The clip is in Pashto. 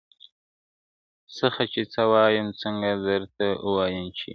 څخه چي څه ووايم څنگه درته ووايم چي.